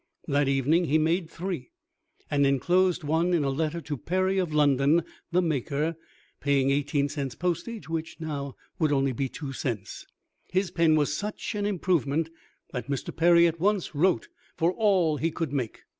That evening he made three, and enclosed one in a letter to Perry of London, the maker, paying eighteen cents' postage, which now would be only two cents. His pen was such an improvement that Mr. Perry at once wrote for all he could make.